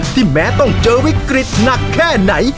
แม้ต้องเจอวิกฤตหนักแค่ไหน